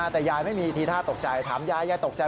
แต่ยายไม่มีทีท่าตกใจถามยายยายตกใจ